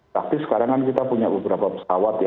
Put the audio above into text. tapi sekarang kan kita punya beberapa pesawat ya